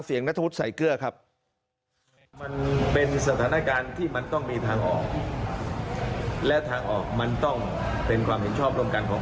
เสียงนัฐพุทธใส่เกื้อครับ